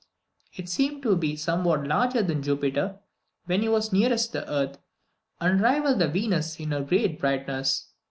It seemed to be somewhat larger than Jupiter, when he is nearest the earth, and rivalled Venus in her greatest brightness.